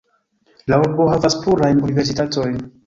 La urbo havas plurajn universitatojn.